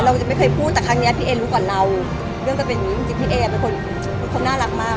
เราจะไม่เคยพูดแต่ครั้งนี้พี่เอรู้กว่าเราเรื่องก็เป็นอย่างนี้จริงพี่เอเป็นคนน่ารักมาก